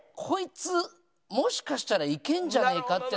こいつもしかしたらいけんじゃねえか？」